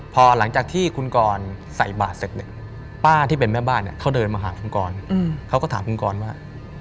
พอหลังจากที่คุณกรใส่บาทเสร็จเนี่ยป้าที่เป็นแม่บ้านเนี่ยเขาเดินมาหาคุณกรเขาก็ถามคุณกรว่า